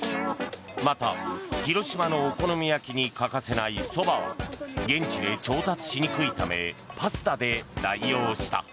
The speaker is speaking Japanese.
また、広島のお好み焼きに欠かせないそばは現地で調達しにくいためパスタで代表した。